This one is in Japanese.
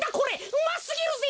うますぎるぜ。